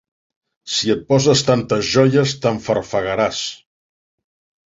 Si et poses tantes joies t'enfarfegaràs!